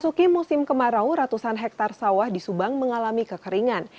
memasuki musim kemarau ratusan hektare sawah di subang mengalami kekeringan